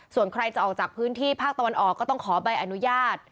ส่วนใครจะออกจากพื้นที่ภาคตะวันออกก็ต้องขอใบอนุญาต